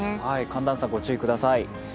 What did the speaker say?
寒暖差、ご注意ください。